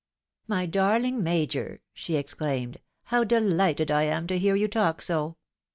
" My darling Major !" she exclaimed, " how delighted I am to hear you talk so